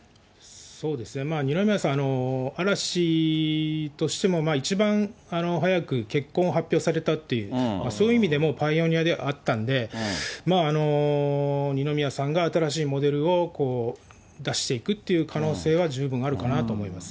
そうですね、二宮さん、嵐としても一番早く結婚を発表されたという、そういう意味でも、パイオニアではあったので、二宮さんが新しいモデルを出していくって可能性は十分あるかなと思います。